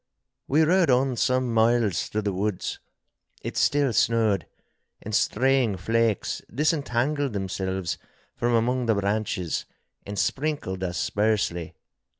We rode on some miles through the woods. It still snowed, and straying flakes disentangled themselves from among the branches and sprinkled us sparsely.